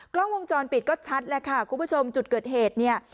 กล้องวงจรปิดก็ชัดแล้วค่ะคุณผู้ชมจุดเกิดเหตุเนี่ย